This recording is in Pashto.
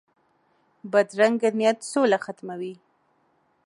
بدرنګه نیت سوله ختموي